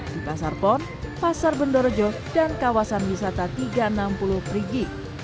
di pasar pon pasar bendorojo dan kawasan wisata tiga ratus enam puluh perigi